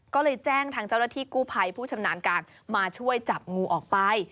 ก็เลยแจ้งทางเจ้าหน้าที่กู้ภัยผู้ชำนาญการมาช่วยจับงูออกไป